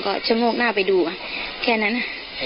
ก็ชะโงกหน้าไปดูแค่นั้น